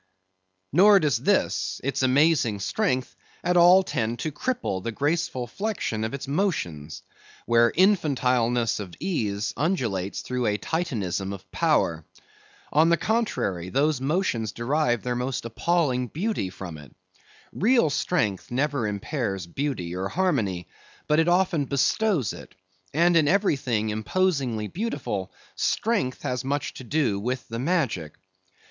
Nor does this—its amazing strength, at all tend to cripple the graceful flexion of its motions; where infantileness of ease undulates through a Titanism of power. On the contrary, those motions derive their most appalling beauty from it. Real strength never impairs beauty or harmony, but it often bestows it; and in everything imposingly beautiful, strength has much to do with the magic.